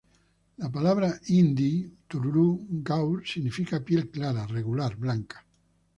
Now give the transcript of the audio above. La palabra Hindi गौर "gaur" significa piel clara, regular, blanca.